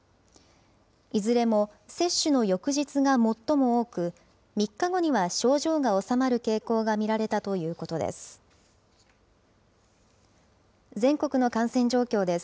いずれも接種の翌日が最も多く、３日後には症状が収まる傾向が見られたということです。